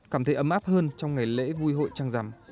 cảm thấy ấm áp hơn trong ngày lễ vui hội trăng rằm